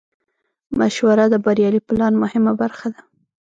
مشوره د بریالي پلان مهمه برخه ده.